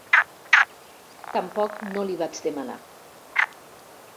Tampoc no l'hi vaig demanar.